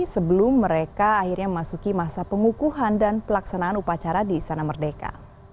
sebelum mereka akhirnya memasuki masa pengukuhan dan pelaksanaan upacara di sana merdeka